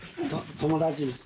友達。